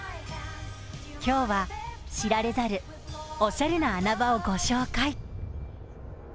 今日は知られざるおしゃれな穴場を御紹介。